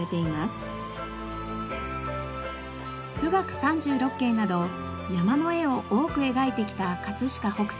『冨嶽三十六景』など山の絵を多く描いてきた飾北斎。